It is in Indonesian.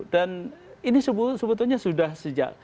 dan ini sebetulnya sudah sejak